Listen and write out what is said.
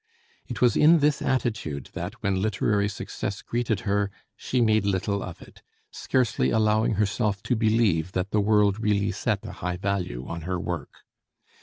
It was in this attitude that when literary success greeted her, she made little of it, scarcely allowing herself to believe that the world really set a high value on her work.